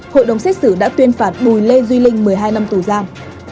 hội đồng xét xử đã tuyên phạt bùi lê duy linh một mươi hai năm tù giam